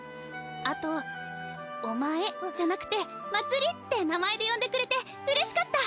あとお前じゃなくてまつりって名前で呼んでくれてうれしかった！